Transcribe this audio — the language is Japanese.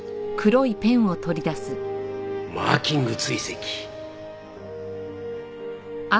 マーキング追跡。